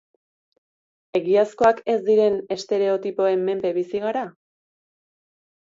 Egiazkoak ez diren estereotipoen menpe bizi gara?